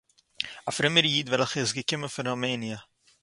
אַ פרומער איד וועלכער איז געקומען פון ראָמעניע